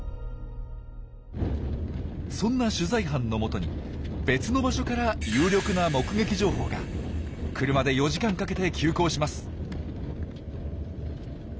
そんな取材班のもとに別の場所から車で４時間かけて急行します。